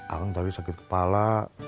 akang tadi sakit kepala